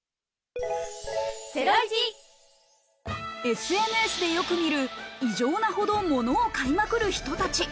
ＳＮＳでよく見る異常なほど物を買いまくる人たち。